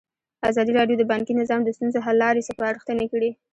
ازادي راډیو د بانکي نظام د ستونزو حل لارې سپارښتنې کړي.